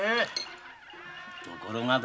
ところがだ